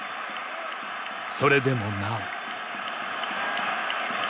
それでもなお。